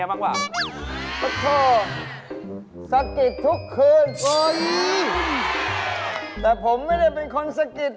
ยัง